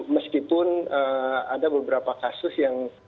meskipun ada beberapa kasus yang